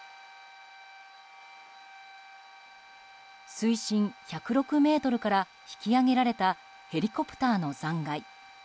水深１６０ｍから引き揚げられたヘリコプターの残骸。